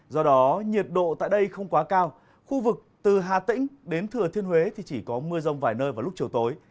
do đó nhiệt độ tại đây không quá cao khu vực từ hà tĩnh đến thừa thiên huế thì chỉ có mưa rông vài nơi vào lúc chiều tối